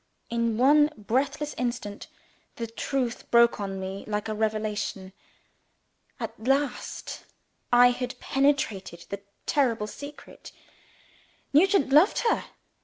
In one breathless instant, the truth broke on me like a revelation. At last I had penetrated the terrible secret. Nugent loved her.